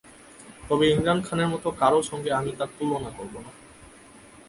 তবে ইমরান খানের মতো কারও সঙ্গে আমি তার তুলনা করব না।